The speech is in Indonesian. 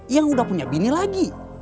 yang udah punya bini lagi